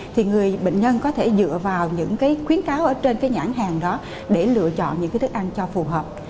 thì người bệnh nhân có thể dựa vào những khuyến cáo ở trên cái nhãn hàng đó để lựa chọn những cái thức ăn cho phù hợp